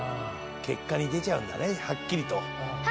結果に出ちゃうんだねはっきりと。